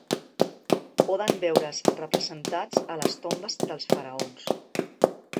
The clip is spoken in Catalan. Poden veure's representats a les tombes dels faraons.